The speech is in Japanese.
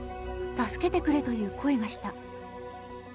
助けてくれという声がした。